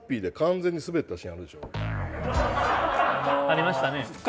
ありましたね。